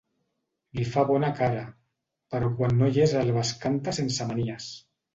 Li fa bona cara, però quan no hi és el bescanta sense manies.